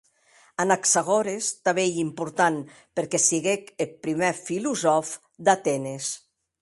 Anaxagores tanben ei important perque siguec eth prumèr filosòf d'Atenes.